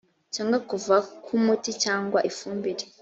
cyangwa kuva kw umuti cyangwa ifumbire